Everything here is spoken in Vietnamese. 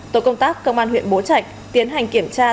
tổ công tác công an huyện bố trạch tiến hành kiểm tra